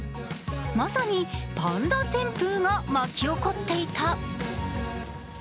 まさにパンダ旋風が巻き起こっていた。